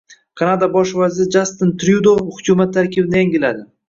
Kanada bosh vaziri Jastin Tryudo hukumat tarkibini yangiladi